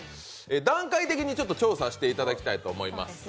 段階的に調査していただきたいと思います。